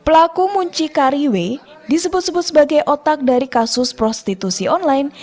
pelaku muncikari w disebut sebut sebagai otak dari kasus prostitusi online